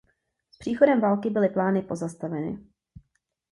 S příchodem války byly plány zastaveny.